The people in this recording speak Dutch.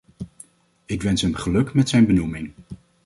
Ik wens hem geluk met zijn benoeming.